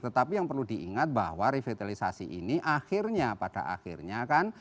tetapi yang perlu diingat bahwa revitalisasi ini akhirnya pada akhirnya kan